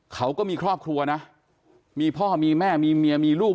เขาก็มีครอบครัวนะมีพ่อมีแม่มีเมียมีลูก